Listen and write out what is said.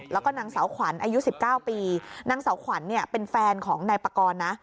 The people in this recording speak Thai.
แล้วก็นางสาวขวัญอายุ๑๙ปีนางสาวขวัญเนี่ยเป็นแฟนของนายปากรนะ